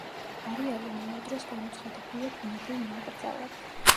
არეალი ამავე დროს გამოცხადებულია ბუნებრივ ნაკრძალად.